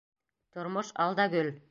Тормош ал да гөл.